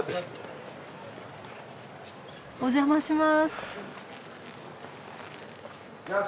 お邪魔します。